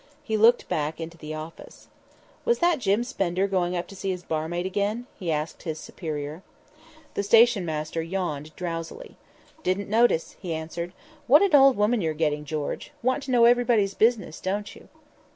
He looked back into the office. "Was that Jim Spender going up to see his barmaid again?" he asked his superior. The station master yawned drowsily. "Didn't notice," he answered. "What an old woman you're getting, George! Want to know everybody's business, don't you?"